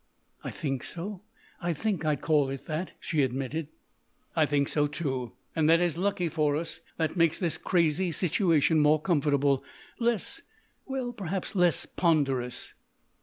"I think so, I think I'd call it that," she admitted. "I think so, too. And that is lucky for us. That makes this crazy situation more comfortable—less—well, perhaps less ponderous."